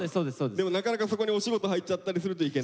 でもなかなかそこにお仕事入っちゃったりすると行けないし。